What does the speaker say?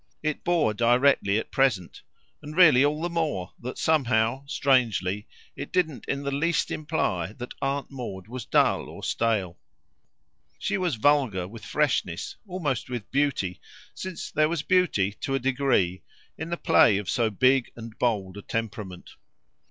It bore directly at present, and really all the more that somehow, strangely, it didn't in the least characterise the poor woman as dull or stale. She was vulgar with freshness, almost with beauty, since there was beauty, to a degree, in the play of so big and bold a temperament.